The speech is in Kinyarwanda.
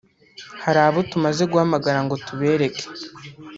Hari abo tumaze guhamagara ngo tubereke